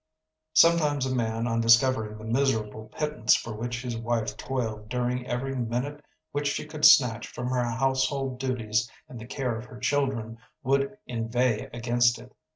Sometimes a man on discovering the miserable pittance for which his wife toiled during every minute which she could snatch from her household duties and the care of her children, would inveigh against it.